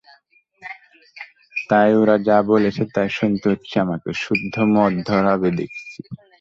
তাই ওরা যা বলছে তাই শুনতে হচ্ছে, আমাকে সুদ্ধ মদ ধরাবে দেখছি।